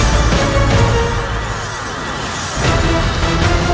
buruh di managersnya